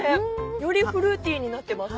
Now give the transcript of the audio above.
よりフルーティーになってます。